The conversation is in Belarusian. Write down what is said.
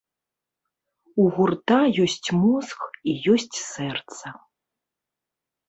У гурта ёсць мозг і ёсць сэрца.